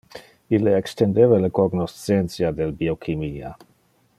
Ille extendeva le cognoscentia del biochimia.